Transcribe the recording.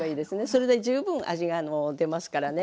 それで十分味が出ますからね。